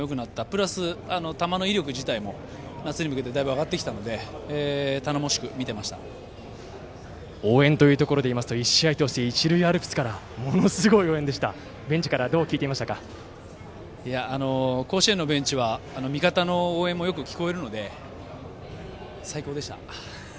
プラス、球の威力自体も夏に向けて上がってきたので応援というところでいいますと１試合通して一塁アルプスからものすごい応援でしたがベンチから甲子園のベンチは味方の応援もよく聞こえるので最高でした。